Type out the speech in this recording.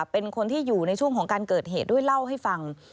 เป็นคนที่อยู่ในช่วงของการเกิดเหตุด้วยเล่าให้ฟัง